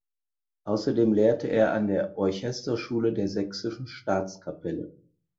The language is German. Außerdem lehrte er an der Orchesterschule der Sächsischen Staatskapelle.